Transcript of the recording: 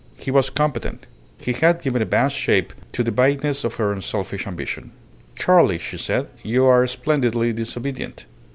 He was competent; he had given a vast shape to the vagueness of her unselfish ambitions. "Charley," she said, "you are splendidly disobedient."